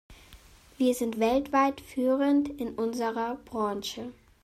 Wir sind weltweit führend in unserer Branche.